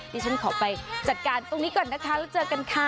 ดิฉันขอไปจัดการตรงนี้ก่อนนะคะแล้วเจอกันค่ะ